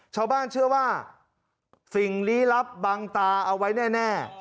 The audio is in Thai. ชาวบ้านเชื่อว่าสิ่งลี้ลับบังตาเอาไว้แน่